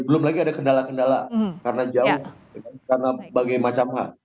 belum lagi ada kendala kendala karena jauh karena bagai macam hal